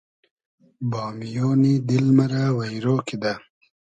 بامیۉنی دیل مۂ رۂ وݷرۉ کیدۂ